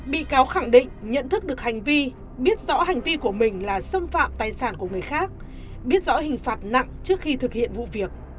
bị cáo khẳng định nhận thức được hành vi biết rõ hành vi của mình là xâm phạm tài sản của người khác biết rõ hình phạt nặng trước khi thực hiện vụ việc